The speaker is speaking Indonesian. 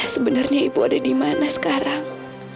sebenernya ibu ada dimana sekarang